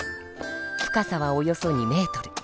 深さはおよそ２メートル。